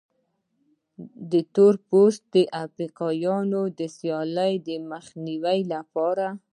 د تور پوستو افریقایانو د سیالۍ د مخنیوي لپاره.